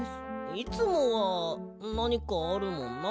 いつもはなにかあるもんな。